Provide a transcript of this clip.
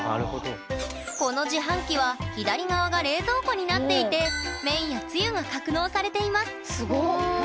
この自販機は左側が冷蔵庫になっていて麺やツユが格納されています。